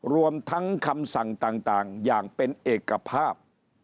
รวมทั้งคำสั่งต่างอย่างเป็นเอกภาพ